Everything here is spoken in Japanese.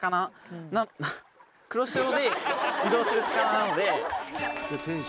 黒潮で移動する魚なので。